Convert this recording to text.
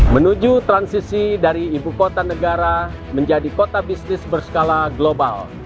menuju transisi dari ibu kota negara menjadi kota bisnis berskala global